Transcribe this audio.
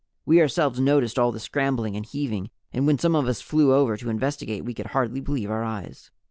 We ourselves noticed all the scrambling and heaving, and when some of us flew over to investigate we could hardly believe our eyes.